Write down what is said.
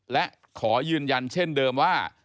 และขอยืนยันเช่นเดิมว่า